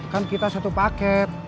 kan kita satu paket